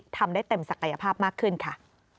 ทำได้เต็มศักยภาพมากขึ้นค่ะ